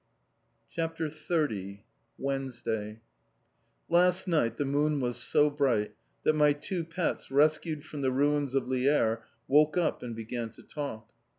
CHAPTER XXX WEDNESDAY Last night the moon was so bright that my two pets, rescued from the ruins of Lierre, woke up and began to talk.